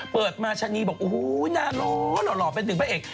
เปิดมาชะนีบอกอู๋นานรอน่อเป็นถึงผู้เอก